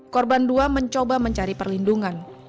korban dua mencoba mencari perlindungan